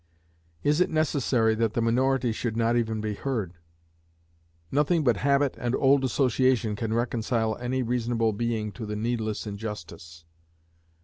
Is it necessary that the minority should not even be heard? Nothing but habit and old association can reconcile any reasonable being to the needless injustice.